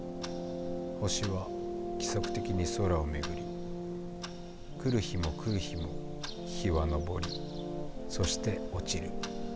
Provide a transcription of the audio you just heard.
星は規則的に空を巡り来る日も来る日も日は昇りそして落ちる。